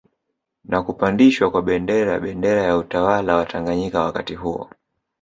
Na kupandishwa kwa Bendera bendera ya utawala wa Tanganyika wakati huo